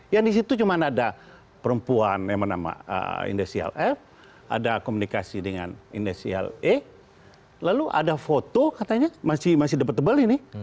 yang disitu cuma ada perempuan yang bernama indesial f ada komunikasi dengan indesial e lalu ada foto katanya masih debatable ini